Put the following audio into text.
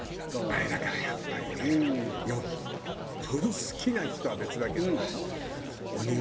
あれだからやっぱりねよっぽど好きな人は別だけど。